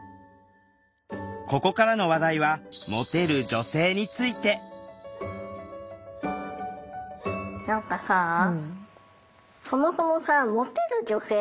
ここからの話題はモテる女性について何かさあモテる女性？